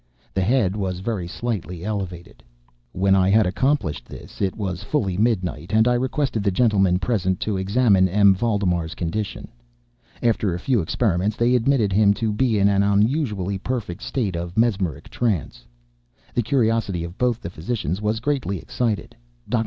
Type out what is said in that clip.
The head was very slightly elevated. When I had accomplished this, it was fully midnight, and I requested the gentlemen present to examine M. Valdemar's condition. After a few experiments, they admitted him to be an unusually perfect state of mesmeric trance. The curiosity of both the physicians was greatly excited. Dr.